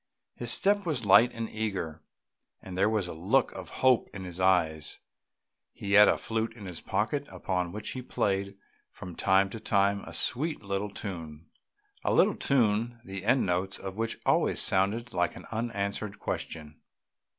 His step was light and eager, and there was a look of hope in his eyes; he had a flute in his pocket upon which he played from time to time a sweet little tune a little tune the end notes of which always sounded like an unanswered question.